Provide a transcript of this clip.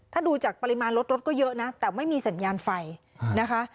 ถ้าดูจากปริมาณรถรถก็เยอะนะแต่ไม่มีสัญญาณไฟนะคะ